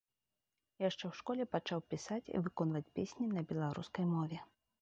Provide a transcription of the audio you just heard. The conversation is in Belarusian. Яшчэ ў школе пачаў пісаць і выконваць песні на беларускай мове.